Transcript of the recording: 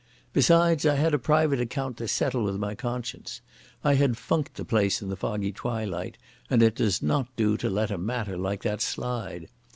Besides I had a private account to settle with my conscience. I had funked the place in the foggy twilight, and it does not do to let a matter like that slide.